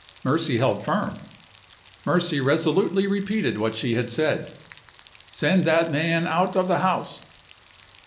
Mercy held firm; Mercy resolutely repeated what she had said: "Send that man out of the house."